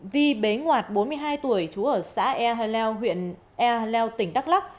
vì bế ngoạt bốn mươi hai tuổi chú ở xã e haleo huyện e haleo tỉnh đắk lắc